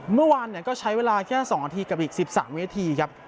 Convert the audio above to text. เมื่อวานก็ใช้เวลาแค่๒นาทีกับอีก๑๓เวทีครับ